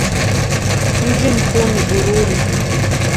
Mji mkuu ni Bururi.